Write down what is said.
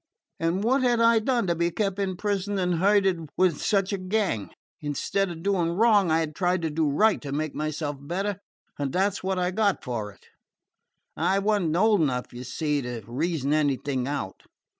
And what had I done to be kept in prison and herded with such a gang? Instead of doing wrong, I had tried to do right, to make myself better, and that 's what I got for it. I was n't old enough, you see, to reason anything out.